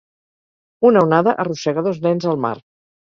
Una onada arrossega dos nens al mar